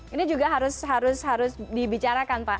ini juga harus dibicarakan pak